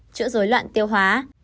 chữa dối loạn tiêu hóa